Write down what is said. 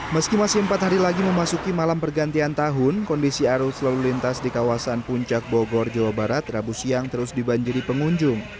meski masih empat hari lagi memasuki malam pergantian tahun kondisi arus lalu lintas di kawasan puncak bogor jawa barat rabu siang terus dibanjiri pengunjung